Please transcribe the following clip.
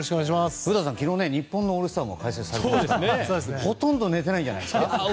古田さんは昨日のオールスターも解説されてましたからほとんど寝てないんじゃないですか。